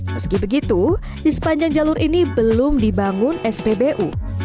meski begitu di sepanjang jalur ini belum dibangun spbu